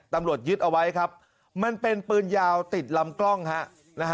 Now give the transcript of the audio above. ตำรวจยึดเอาไว้ครับมันเป็นปืนยาวติดลำกล้องฮะนะฮะ